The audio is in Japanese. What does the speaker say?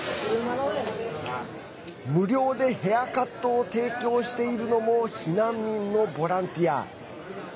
無料でヘアカットを提供しているのも避難民のボランティア。